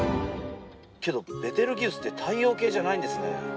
けどベテルギウスって太陽系じゃないんですね。